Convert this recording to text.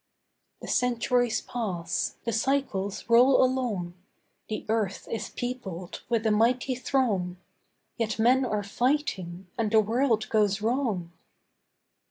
The centuries pass: the cycles roll along— The earth is peopled with a mighty throng, Yet men are fighting and the world goes wrong.